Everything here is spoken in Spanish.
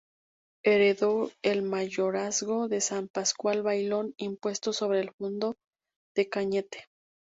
Heredó el mayorazgo de San Pascual Bailón, impuesto sobre el fundo de Cañete.